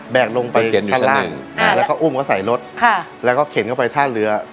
ลงไปชั้นล่างแล้วก็อุ้มเขาใส่รถค่ะแล้วก็เข็นเข้าไปท่าเรือ